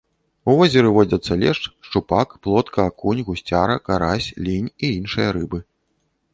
У возеры водзяцца лешч, шчупак, плотка, акунь, гусцяра, карась, лінь і іншыя рыбы.